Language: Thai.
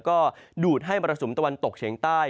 ก็ดูดให้มรสุมตะวันตกเฉียงใต้